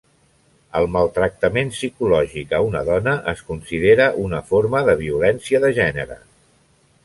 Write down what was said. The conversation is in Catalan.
El maltractament psicològic a una dona es considera una forma de violència de gènere.